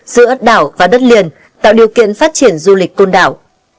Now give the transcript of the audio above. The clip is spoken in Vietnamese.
giữa đảo và đất liền tạo điều kiện phát triển du lịch côn đảo